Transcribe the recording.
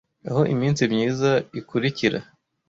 aho iminsi myiza ikurikira